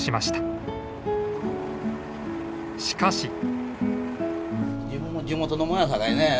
しかし。